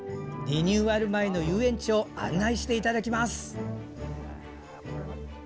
リニューアル前の遊園地を案内していただきます。